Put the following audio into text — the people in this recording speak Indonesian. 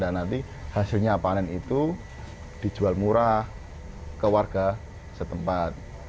dan nanti hasilnya panen itu dijual murah ke warga setempat